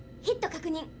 ヒット確認。